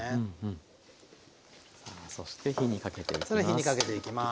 さあそして火にかけていきます。